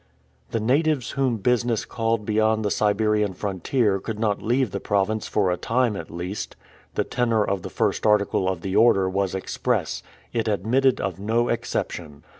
The natives whom business called beyond the Siberian frontier could not leave the province for a time at least. The tenor of the first article of the order was express; it admitted of no exception.